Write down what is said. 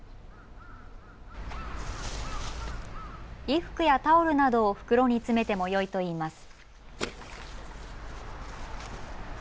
衣服やタオルなどを袋に詰めてもよいといいます。